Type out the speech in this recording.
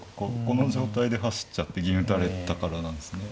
この状態で走っちゃって銀打たれたからなんですね。